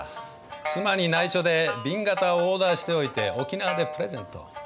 妻にないしょで紅型をオーダーしておいて沖縄でプレゼント。